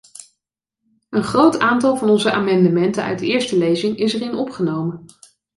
Een groot aantal van onze amendementen uit de eerste lezing is erin opgenomen.